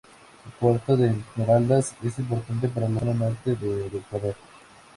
El puerto de Esmeraldas es importante para la zona norte del Ecuador.